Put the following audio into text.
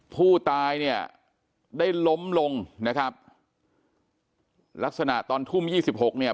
ผู้ตายเนี่ยได้ล้มลงนะครับลักษณะตอนทุ่มยี่สิบหกเนี่ย